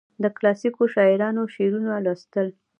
د کلاسیکو شاعرانو شعرونه لوستل.